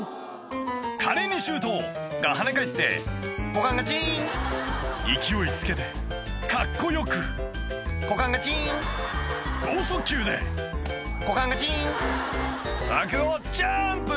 華麗にシュート！が跳ね返って股間がチン勢いつけてカッコ良く股間がチン剛速球で股間がチン「柵をジャンプ！」